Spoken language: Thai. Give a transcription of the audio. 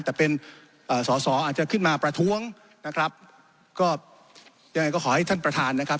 แต่เป็นเอ่อสอสออาจจะขึ้นมาประท้วงนะครับก็ยังไงก็ขอให้ท่านประธานนะครับ